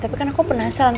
tapi kan aku penasaran